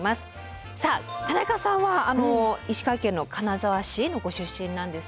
さあ田中さんは石川県の金沢市のご出身なんですよね。